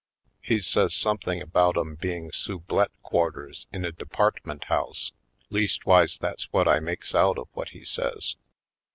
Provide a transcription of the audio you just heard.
He says something about 'em being Sublette quarters in a de partment house; leastwise that's what I makes out of what he says.